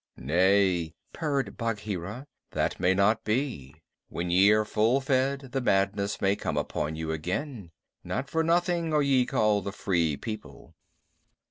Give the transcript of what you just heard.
"Nay," purred Bagheera, "that may not be. When ye are full fed, the madness may come upon you again. Not for nothing are ye called the Free People.